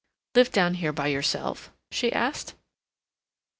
"Live down here by yourself?" she asked.